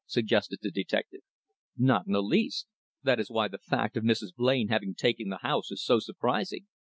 suggested the detective. "Not in the least. That is why the fact of Mrs. Blain having taken the house is so surprising."